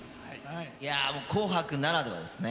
いやもう「紅白」ならではですね